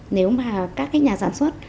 nếu mà các nhà sản xuất